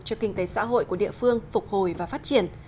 cho kinh tế xã hội của địa phương phục hồi và phát triển